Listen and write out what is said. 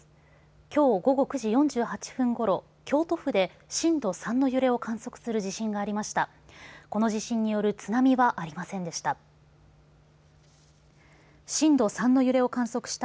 きょう午後９時４８分ころ京都府で震度３の揺れを観測する地震がありました。